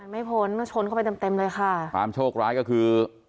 ไม่พ้นก็ชนเข้าไปเต็มเต็มเลยค่ะความโชคร้ายก็คือ